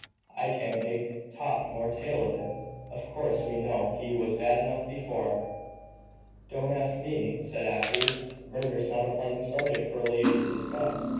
I can't make top nor tail of it. Of course we know he was bad enough before." "Don't ask me," said Afy. "Murder's not a pleasant subject for a lady to discuss.